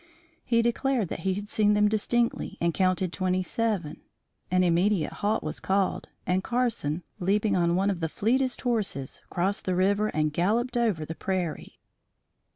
He declared that he had seen them distinctly and counted twenty seven. An immediate halt was called, and Carson, leaping on one of the fleetest horses, crossed the river and galloped over the prairie.